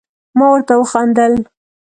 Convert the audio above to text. ما ورته وخندل ،